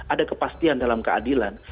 ada kepastian dalam keadilan